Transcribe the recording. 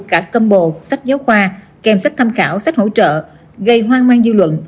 cả combo sách giáo khoa kèm sách tham khảo sách hỗ trợ gây hoang mang dư luận